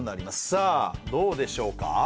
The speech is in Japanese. さあどうでしょうか？